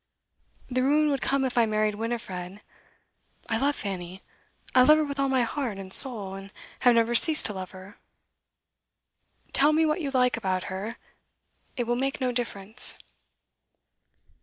'The ruin would come if I married Winifred. I love Fanny; I love her with all my heart and soul, and have never ceased to love her. Tell me what you like about her, it will make no difference.